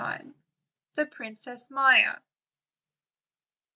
THE PKINCESS MAIA.